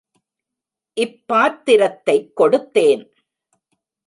இப் பாத்திரத்தைக் கொடுத்தேன்.